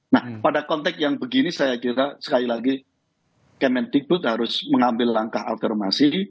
nah pada konteks yang begini saya kira sekali lagi kementikbud harus mengambil langkah afirmasi